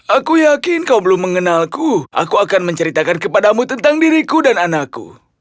aku yakin kau belum mengenalku aku akan menceritakan kepadamu tentang diriku dan anakku